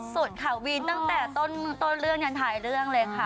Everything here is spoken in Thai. สดค่ะวินตั้งแต่ต้นเรื่องยันท้ายเรื่องเลยค่ะ